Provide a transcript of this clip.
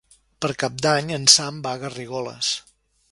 Per Cap d'Any en Sam va a Garrigoles.